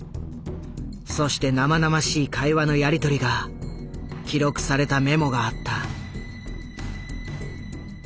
そして生々しい会話のやり取りが記録されたメモがあった。